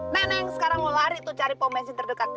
neng sekarang lo lari tuh cari pom bensin terdekat